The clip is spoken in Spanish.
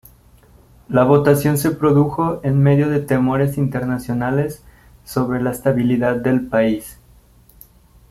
La votación se produjo en medio de temores internacionales sobre la estabilidad del país.